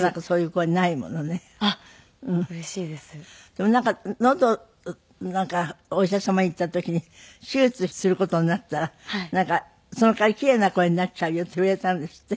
でもなんかのどなんかお医者様行った時に手術する事になったらなんかその代わり奇麗な声になっちゃうよって言われたんですって？